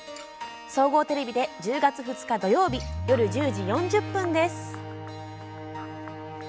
総合テレビで１０月２日土曜日夜１０時４０分です。